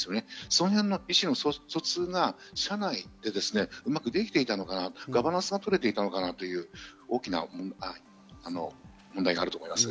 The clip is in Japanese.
その辺の意思の疎通が社内でうまくできていたのか、ガバナンスが取れていたのか大きな問題があると思います。